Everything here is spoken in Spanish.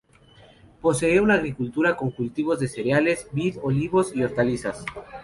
Posee una agricultura con cultivos de cereales, vid, olivos y hortalizas.